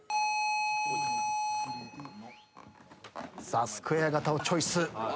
さあスクエア型をチョイス。